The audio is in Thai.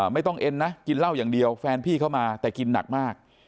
ไม่ต้องเอ็นนะกินเหล้าอย่างเดียวแฟนพี่เข้ามาแต่กินหนักมาก